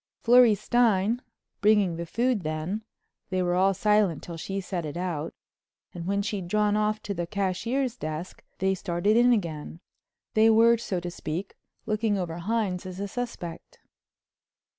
Florrie Stein, bringing the food then, they were silent till she'd set it out, and when she'd drawn off to the cashier's desk, they started in again. They were, so to speak, looking over Hines as a suspect.